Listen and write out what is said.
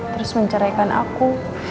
terus menceraikan aku